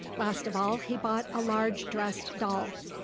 Last of all he bought a large dressed doll.